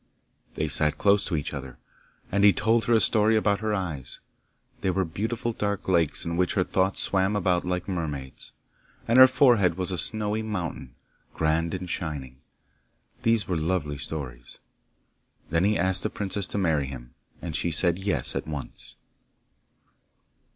They sat close to each other, and he told her a story about her eyes. They were beautiful dark lakes in which her thoughts swam about like mermaids. And her forehead was a snowy mountain, grand and shining. These were lovely stories. Then he asked the princess to marry him, and she said yes at once.